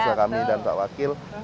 kepada kami dan pak wakil